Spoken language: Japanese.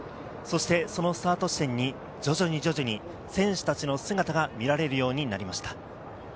そしてそのスタート地点に徐々に徐々に選手たちの姿が見られるようになりました。